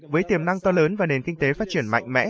với tiềm năng to lớn và nền kinh tế phát triển mạnh mẽ